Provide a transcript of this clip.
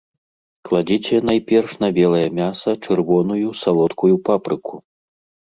Кладзіце найперш на белае мяса чырвоную салодкую папрыку.